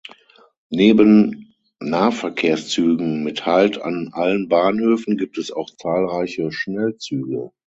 Neben Nahverkehrszügen mit Halt an allen Bahnhöfen gibt es auch zahlreiche Schnellzüge.